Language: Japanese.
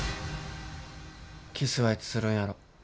キスはいつするんやろ。